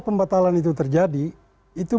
pembatalan itu terjadi itu